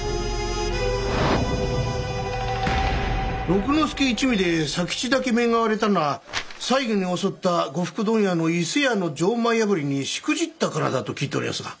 六之助一味で佐吉だけ面が割れたのは最後に襲った呉服問屋の伊勢屋の錠前破りにしくじったからだと聞いておりやすが。